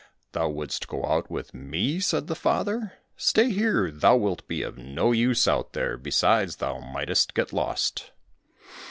"Thou wouldst go out with me?" said the father. "Stay here, thou wilt be of no use out there, besides thou mightest get lost!"